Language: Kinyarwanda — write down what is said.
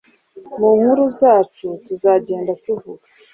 Mu nkuru zacu tuzagenda tuvuga